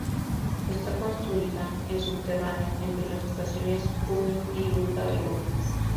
Está construida en subterráneo, entre las estaciones Cumming y Gruta de Lourdes.